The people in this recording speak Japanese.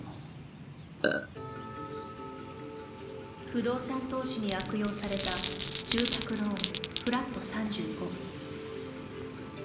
不動産投資に悪用された住宅ローン、フラット３５。